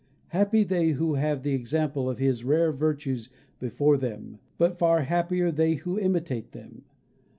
Happy they who have the example of his rare virtues before them, but far happier they who imitate them!